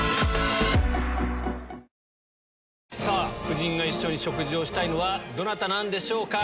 夫人が一緒に食事をしたいのはどなたなんでしょうか。